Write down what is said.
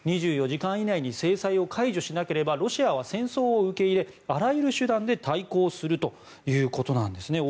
２４時間以内に制裁を解除しなければロシアは戦争を受け入れあらゆる手段で対応するということです。